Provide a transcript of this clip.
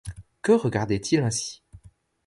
Que regardait-il ainsi ?